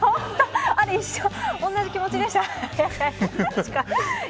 同じ気持ちでした。